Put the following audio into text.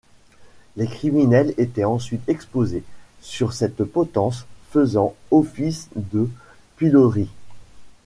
Les criminels étaient ensuite exposés sur cette potence faisant office de pilori.